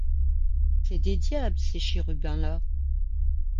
C’est des diables, ces chérubins-là.